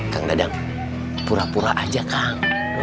kang dadang pura pura aja kang